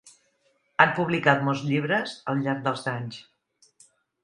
Han publicat molts llibres al llarg dels anys.